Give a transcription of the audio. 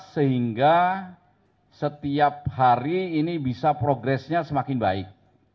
sehingga setiap hari ini bisa progresnya semakin baik